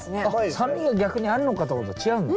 酸味が逆にあるのかと思ったら違うんだ。